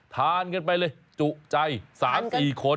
ทานกันไปเลยจุใจ๓๔คน